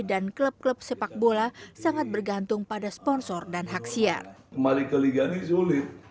dan klub klub sepakbola sangat bergantung pada sponsor dan haksiar kembali ke liga ini sulit